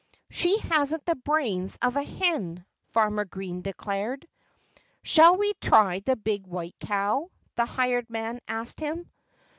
"She hasn't the brains of a hen," Farmer Green declared. "Shall we try the big white cow?" the hired man asked him.